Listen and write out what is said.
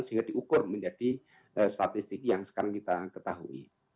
sehingga diukur menjadi statistik yang sekarang kita ketahui